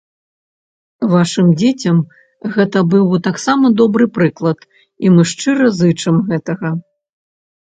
Вашым дзецям гэта быў бы таксама добры прыклад, і мы шчыра зычым гэтага.